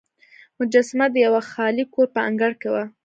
مجسمه د یوه خالي کور په انګړ کې وه.